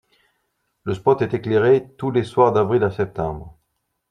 Le spot est éclairé tous les soirs d’Avril à Septembre.